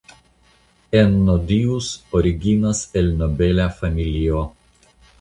Ennodius originas el nobela familio.